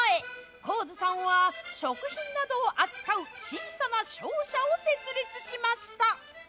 高津さんは食品などを扱う小さな商社を設立しました。